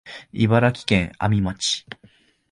茨城県阿見町